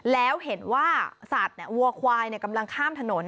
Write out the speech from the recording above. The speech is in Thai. แล้วเห็นว่าสัตว์วัวควายกำลังข้ามถนน